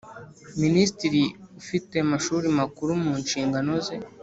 Minisitiri ufite Amashuri Makuru mu nshingano ze